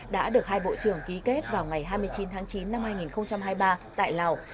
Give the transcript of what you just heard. đã được hai bộ trưởng ký kết vào ngày hai mươi chín tháng chín năm hai nghìn hai mươi ba tại lào